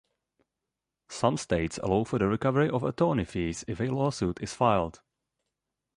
Some states allow for the recovery of attorney fees if a lawsuit is filed.